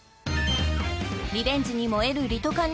リベンジに燃えるリトかん